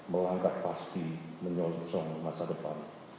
melangkah pasti menyongsong masa depan